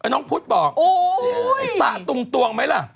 น้องพุทธบอกตะตุงตวงไหมล่ะ